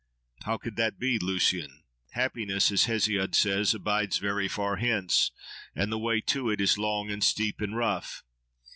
—How could that be, Lucian? Happiness, as Hesiod says, abides very far hence; and the way to it is long and steep and rough.